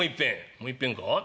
「もういっぺんか？